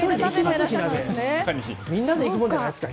みんなで行くものじゃないですか